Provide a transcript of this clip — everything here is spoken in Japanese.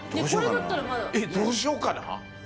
えっどうしようかな？